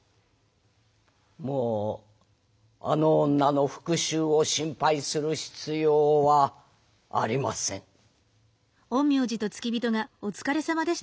もうあの女の復讐を心配する必要はありません。